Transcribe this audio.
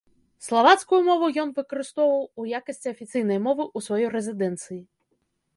Славацкую мову ён выкарыстоўваў у якасці афіцыйнай мовы ў сваёй рэзідэнцыі.